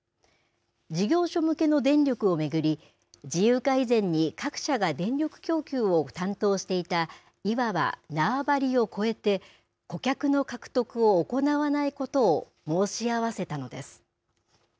事業所向けの電力を巡り自由化以前に各社が電力供給を担当していたいわば縄張りを超えて顧客の獲得を行わないことを申し合わせたのです。